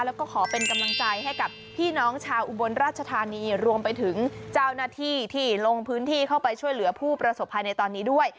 แล้วก็ขอเป็นกำลังใจให้กับพี่น้องชาวอุบลราชธานีรวมไปถึงเจ้าหน้าที่ที่ลงพื้นที่เข้าไปช่วยเหลือผู้ประสบภัยในตอนนี้ด้วย